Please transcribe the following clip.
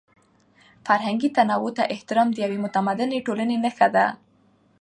فرهنګي تنوع ته احترام د یوې متمدنې ټولنې نښه ده.